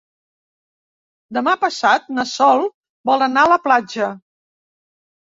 Demà passat na Sol vol anar a la platja.